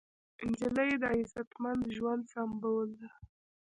نجلۍ د عزتمن ژوند سمبول ده.